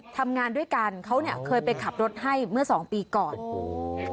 ทำงานด้วยกันเขาเนี่ยเคยไปขับรถให้เมื่อสองปีก่อนโอ้โห